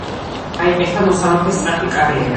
გაიკეთა მოსამართლის სწრაფი კარიერა.